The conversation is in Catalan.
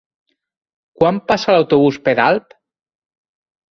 Quan passa l'autobús per Alp?